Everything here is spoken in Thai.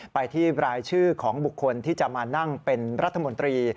ไปที่รายชื่อของบุคคลที่จะมานั่งเป็นรัฐมนตรี